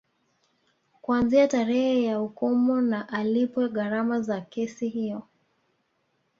Kuanzia tarehe ya hukumu na alipwe gharama za kesi hiyo